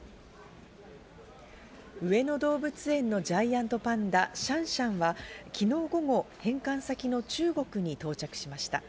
上野動物園のジャイアントパンダ、シャンシャンは昨日午後、返還先の中国に到着しました。